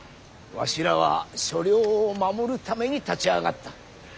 わしらは所領を守るために立ち上がった。